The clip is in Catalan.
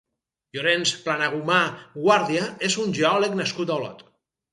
Llorenç Planagumà Guàrdia és un geòleg nascut a Olot.